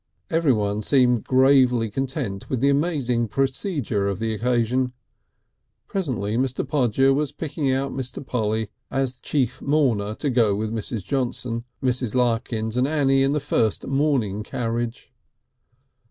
Everyone seemed gravely content with the amazing procedure of the occasion. Presently Mr. Podger was picking Mr. Polly out as Chief Mourner to go with Mrs. Johnson, Mrs. Larkins and Annie in the first mourning carriage.